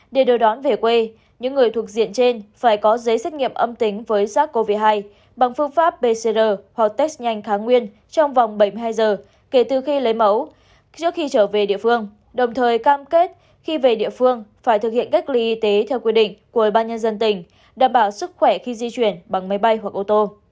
để đối đoán về quê những người thuộc diện trên phải có giấy xét nghiệm âm tính với sars cov hai bằng phương pháp pcr hoặc test nhanh kháng nguyên trong vòng bảy mươi hai giờ kể từ khi lấy mẫu trước khi trở về địa phương đồng thời cam kết khi về địa phương phải thực hiện cách ly y tế theo quy định của ubnd tỉnh đảm bảo sức khỏe khi di chuyển bằng máy bay hoặc ô tô